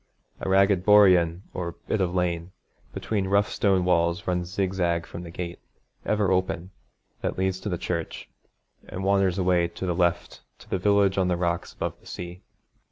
A ragged boreen, or bit of lane, between rough stone walls runs zigzag from the gate, ever open, that leads to the church, and wanders away to the left to the village on the rocks above the sea.